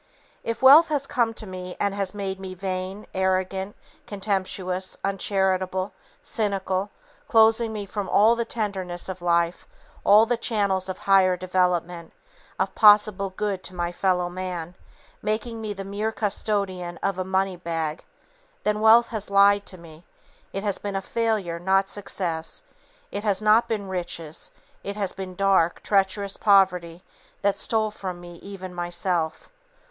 If wealth has come to me and has made me vain, arrogant, contemptuous, uncharitable, cynical, closing from me all the tenderness of life, all the channels of higher development, of possible good to my fellow man, making me the mere custodian of a money bag, then, wealth has lied to me, it has been failure, not success; it has not been riches, it has been dark, treacherous poverty that stole from me even Myself."